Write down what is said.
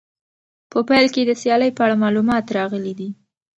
په پیل کې د سیالۍ په اړه معلومات راغلي دي.